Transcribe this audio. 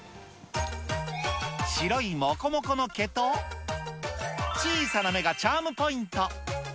白いもこもこの毛と、小さな目がチャームポイント。